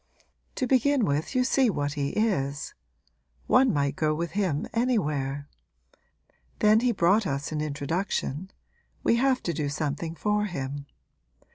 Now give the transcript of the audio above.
To begin with you see what he is. One might go with him anywhere. Then he brought us an introduction we have to do something for him.